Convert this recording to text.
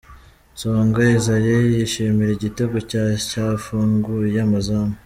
Songa Isaie yishimira igitego cye cyafunguye amazamu.